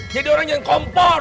jadi orang yang kompor